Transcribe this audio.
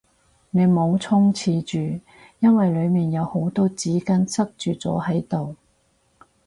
你唔好衝廁住，因為裏面有好多紙巾塞住咗喺度